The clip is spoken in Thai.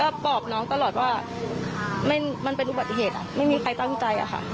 ก็บอกน้องตลอดว่ามันเป็นอุบัติเหตุไม่มีใครตั้งใจอะค่ะ